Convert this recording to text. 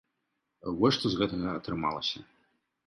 Вось што з гэтага атрымалася.